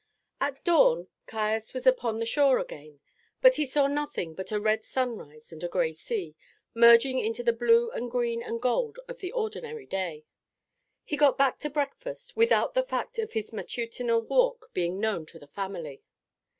At dawn Caius was upon the shore again, but he saw nothing but a red sunrise and a gray sea, merging into the blue and green and gold of the ordinary day. He got back to breakfast without the fact of his matutinal walk being known to the family.